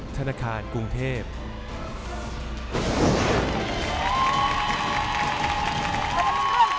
ธนาคารกรุงเทพธนาคารกรุงเทพ